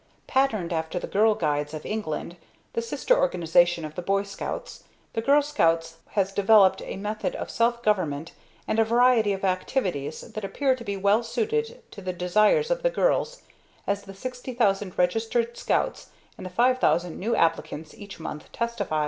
Patterned after the Girl Guides of England, the sister organization of the Boy Scouts, the Girl Scouts has developed a method of self government and a variety of activities that appear to be well suited to the desires of the girls as the 60,000 registered Scouts and the 5,000 new applicants each month testify.